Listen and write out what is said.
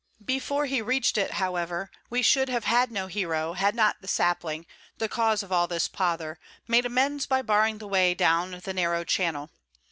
Before he reached it, however, we should have had no hero had not the sapling, the cause of all this pother, made amends by barring the way down the narrow channel.